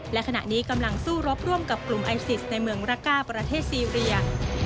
และขณะนี้กำลังสู้รบร่วมกับกลุ่มไอซิสในเมืองระก้าประเทศซีเรีย